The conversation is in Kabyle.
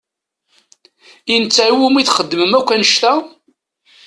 I netta i wumi txedmem akk annect-a?